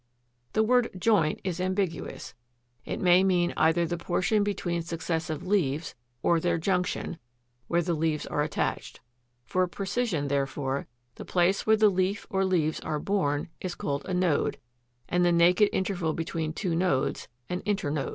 The word "joint" is ambiguous: it may mean either the portion between successive leaves, or their junction, where the leaves are attached. For precision, therefore, the place where the leaf or leaves are borne is called a NODE, and the naked interval between two nodes, an INTERNODE.